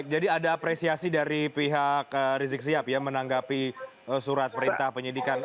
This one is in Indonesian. jadi ada apresiasi dari pihak rizie kesiap menanggapi surat perintah penyidikan